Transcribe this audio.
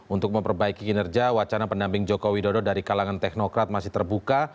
untuk memperbaiki kinerja wacana pendamping joko widodo dari kalangan teknokrat masih terbuka